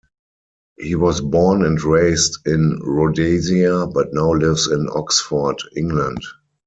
He was born and raised in Rhodesia but now lives in Oxford, England.